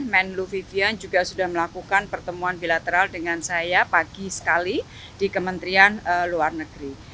men lu vivian juga sudah melakukan pertemuan bilateral dengan saya pagi sekali di kementerian luar negeri